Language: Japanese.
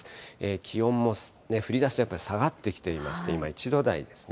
気温も、降りだすとやっぱり下がってきていまして、今、１度台ですね。